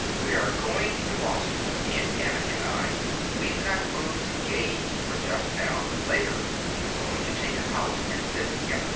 "We are going to Boston, Aunt Hannah and I. We've got rooms engaged for just now, but later we're going to take a house and live together.